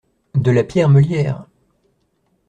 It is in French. De la pierre meulière !